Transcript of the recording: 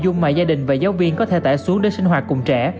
có nội dung mà gia đình và giáo viên có thể tải xuống để sinh hoạt cùng trẻ